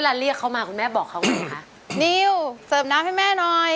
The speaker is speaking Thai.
แลกคุณแม่